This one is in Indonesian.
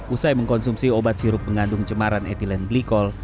usai mengkonsumsi obat sirup mengandung cemaran etilen glikol